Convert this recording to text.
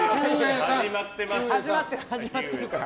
始まってるから。